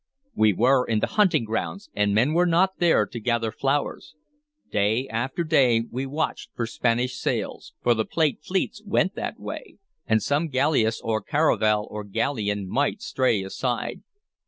We were in the hunting grounds, and men went not there to gather flowers. Day after day we watched for Spanish sails; for the plate fleets went that way, and some galleass or caravel or galleon might stray aside.